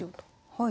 はい。